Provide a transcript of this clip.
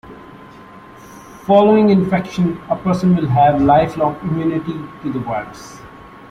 Following infection, a person will have lifelong immunity to the virus.